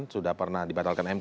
sudah pernah dibatalkan mk pasal itu